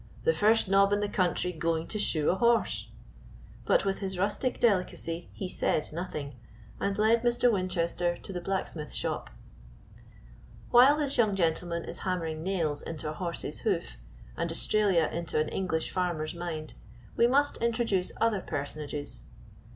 "The first nob in the country going to shoe a horse," but with his rustic delicacy he said nothing, and led Mr. Winchester to the blacksmith's shop. While this young gentleman is hammering nails into a horse's hoof, and Australia into an English farmer's mind, we must introduce other personages.